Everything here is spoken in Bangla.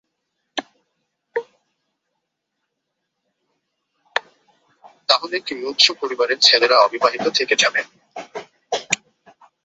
তাহলে কী উচ্চ পরিবারের ছেলেরা অবিবাহিত থেকে যাবে?